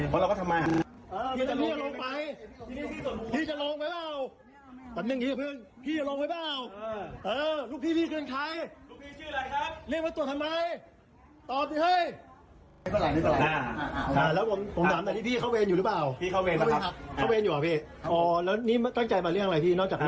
เพราะเราก็ทำมาหาเรา